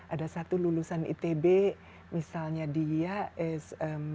ada satu lulusan itb misalnya dia sm